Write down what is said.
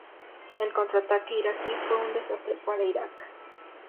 El contrataque iraquí fue un desastre para Irak.